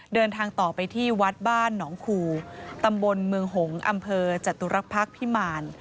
เดินทางต่อไปที่วัดบ้านหนองคูตำบลเมืองหงษ์อำเภอจตุรกภักษ์พิมาร